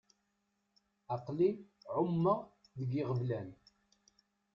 Aql-i εummeɣ deg iɣeblan.